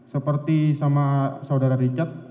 seperti sama saudara richard